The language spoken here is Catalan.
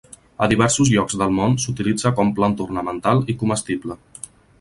A diversos llocs del món s'utilitza com planta ornamental i comestible.